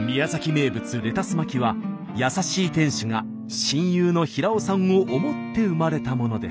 名物レタス巻は優しい店主が親友の平尾さんを思って生まれたものでした。